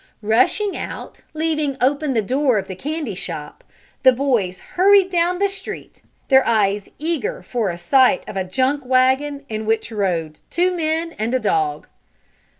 Rushing out, leaving open the door of the candy shop, the boys hurried down the street, their eyes eager for a sight of a junk wagon in which rode two men and a dog.